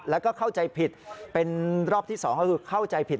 แล้วก็เข้าใจผิดเป็นรอบที่๒ก็คือเข้าใจผิด